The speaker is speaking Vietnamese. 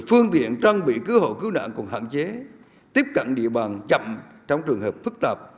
phương tiện trang bị cứu hộ cứu nạn còn hạn chế tiếp cận địa bàn chậm trong trường hợp phức tạp